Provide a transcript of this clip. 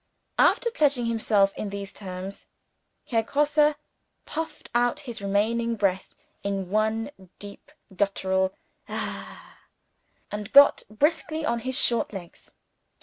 After pledging himself in those terms, Herr Grosse puffed out his remaining breath in one deep guttural "Hah!" and got briskly on his short legs.